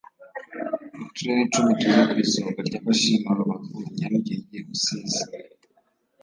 uturere icumi tuza ku isonga ry abashima rubavu nyarugenge rusizi